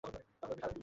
এই লোকটা আবার কে?